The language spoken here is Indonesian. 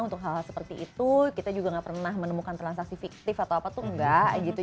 untuk hal hal seperti itu kita juga nggak pernah menemukan transaksi fiktif atau apa tuh enggak gitu